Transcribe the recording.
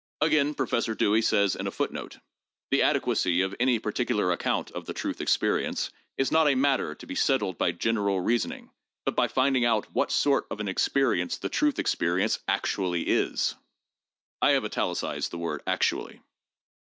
'' Again, Professor Dewey says in a foot note, "The adequacy of any particular account [of the truth experience] is not a matter to he settled by general reasoning, but by finding out what sort of an experience the truth experience actually is." I have italicized the word 'actually.'